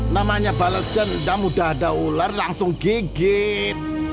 namanya bales jendam udah ada ular langsung gigit